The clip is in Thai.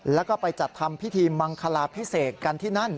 แล้วก็ไปจัดทำพิธีมังคลาพิเศษกันที่นั่น